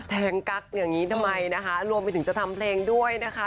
งกั๊กอย่างนี้ทำไมนะคะรวมไปถึงจะทำเพลงด้วยนะคะ